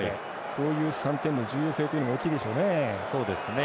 こういう３点の重要性というのは大きいでしょうね。